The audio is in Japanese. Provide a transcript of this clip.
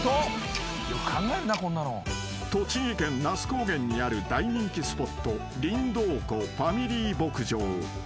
［栃木県那須高原にある大人気スポットりんどう湖ファミリー牧場］